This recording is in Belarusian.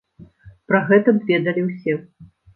Пра гэта б ведалі ўсе.